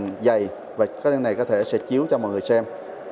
dày và cái này có thể sẽ chiếu cho mọi người xem